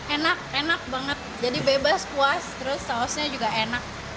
enak enak banget jadi bebas puas terus sausnya juga enak